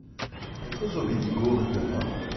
Petra zo bet digoret ganeoc'h ?